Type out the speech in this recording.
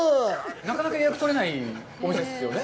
なかなか予約とれないお店ですよね？